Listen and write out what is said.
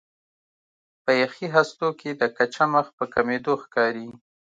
په یخي هستو کې د کچه مخ په کمېدو ښکاري.